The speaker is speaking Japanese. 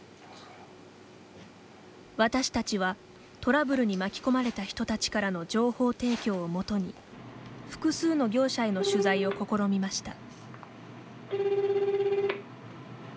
私たちは、トラブルに巻き込まれた人たちからの情報提供をもとに複数の業者への取材を試みました。